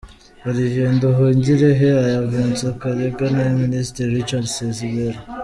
Olivier Nduhungirehe aya Vincent Karega n’aya Minisitiri Richard Sezibera.